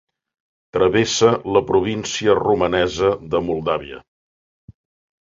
Travessa la província romanesa de Moldàvia.